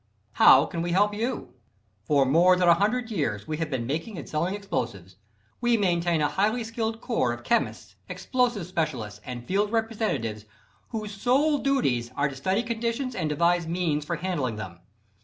How Can We Help You? For more than a hundred years we have been making and selling explosives. We maintain a highly skilled corps of chemists, explosive specialists, and field representatives, whose sole duties are to study conditions and devise means for handling them.